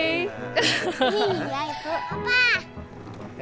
iya itu apa